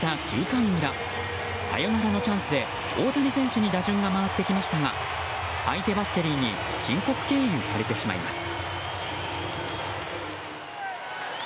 ９回裏サヨナラのチャンスで大谷選手に打順が回ってきましたが相手バッテリーに申告敬遠されてしまいます。